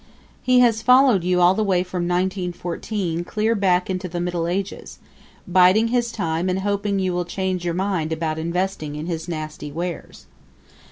He has followed you all the way from 1914 clear back into the Middle Ages, biding his time and hoping you will change your mind about investing in his nasty wares.